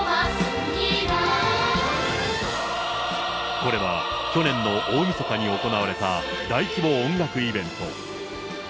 これは去年の大みそかに行われた、大規模音楽イベント。